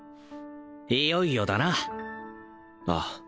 いよいよだなああ